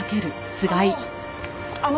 あの！